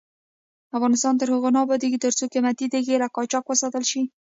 افغانستان تر هغو نه ابادیږي، ترڅو قیمتي تیږې له قاچاق وساتل نشي.